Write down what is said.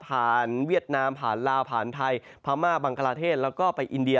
เวียดนามผ่านลาวผ่านไทยพม่าบังกลาเทศแล้วก็ไปอินเดีย